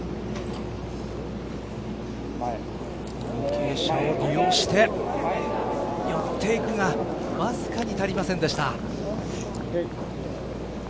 傾斜を利用して寄っていくがわずかに足りませんでした。